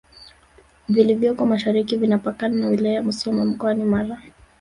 vilivyoko mashariki vikipakana na wilaya ya Musoma mkoani Mara